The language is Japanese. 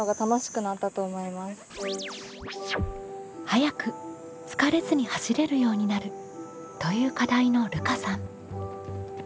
「速く疲れずに走れるようになる」という課題のるかさん。